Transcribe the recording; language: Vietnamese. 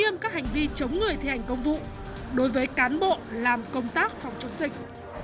điều tra về hành vi chống người thi hành công vụ đối với cán bộ làm công tác phòng chống dịch